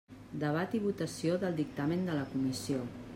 Debat i votació del dictamen de la comissió.